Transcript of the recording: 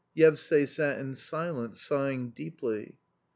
Yevsay sat in silence, sighing deeply.